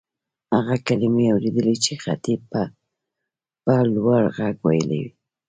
هغه کلیمې اورېدلې چې خطیب به په لوړ غږ وېلې.